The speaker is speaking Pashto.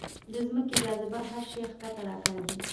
د ځمکې جاذبه هر شی ښکته راکاږي.